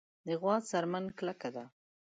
د غوا څرمن کلکه ده.